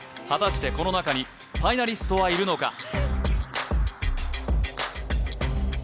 果たして、この中にファイナリストはいるのか？